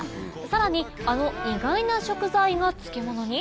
さらにあの意外な食材が漬物に？